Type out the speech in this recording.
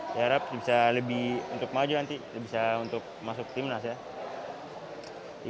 saya harap bisa lebih untuk maju nanti bisa untuk masuk timnas ya